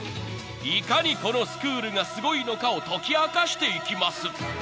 ［いかにこのスクールがすごいのかを解き明かしていきます］